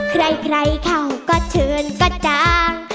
ใครใครเขาก็เชิญก็จัง